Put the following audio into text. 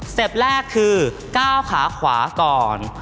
เศรษฐ์แรกคือก้าวขาขวาก่อน